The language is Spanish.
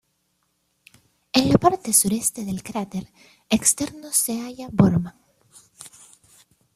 En la parte sureste del cráter externo se halla Borman.